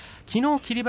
きのう霧